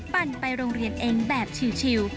ปั่นไปโรงเรียนเองแบบชิล